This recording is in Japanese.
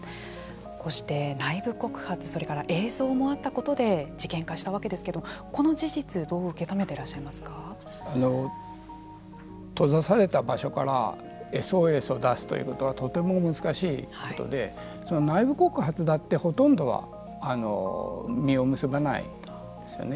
こうして内部告発それから映像もあったことで事件化したわけですけれどもこの事実どう受け取っていらっしゃいます閉ざされた場所からＳＯＳを出すということはとても難しいことで内部告発だってほとんどは実を結ばないですよね。